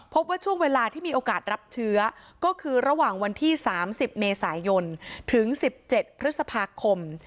พบว่าช่วงเวลาที่มีโอกาสรับเชื้อก็คือระหว่างวันที่๓๐เมษายนถึง๑๗พฤษภาคม